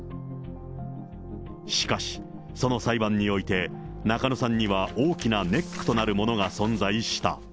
しかし、その裁判において、中野さんには大きなネックとなるものが存在した。